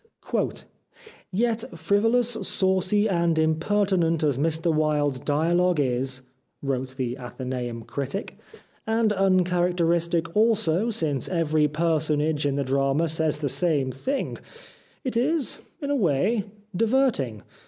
" Yet frivolous, saucy, and impertinent as Mr Wilde's dialogue is," wrote the Athenceum critic, " and uncharacteristic also, since every personage in the drama says the same thing, it is, in a way, diverting.